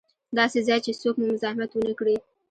داسې ځای چې څوک مو مزاحمت و نه کړي.